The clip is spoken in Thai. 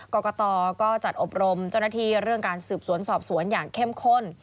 กรกตก็จัดอบรมเจ้าหน้าที่เรื่องการสืบสวนสอบสวนอย่างเข้มข้น